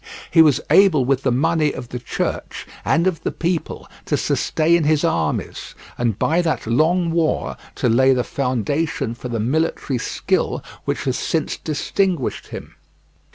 He was able with the money of the Church and of the people to sustain his armies, and by that long war to lay the foundation for the military skill which has since distinguished him.